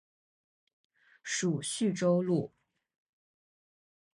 属叙州路。